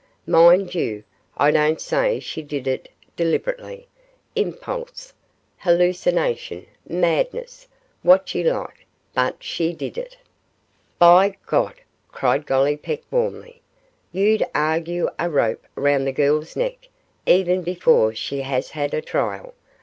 Mind you, I don't say she did it deliberately impulse hallucination madness what you like but she did it.' 'By God!' cried Gollipeck, warmly, 'you'd argue a rope round the girl's neck even before she has had a trial.